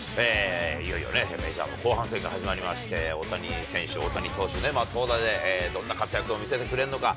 いよいよメジャーも後半戦が始まりまして、大谷選手、大谷投手ね、投打でどんな活躍を見せてくれるのか。